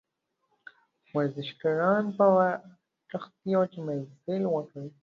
ورزشکاران به په کښتیو کې مزل وکړي.